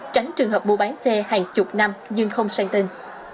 tránh trường hợp mua bán xe hàng chục năm nhưng không sang tên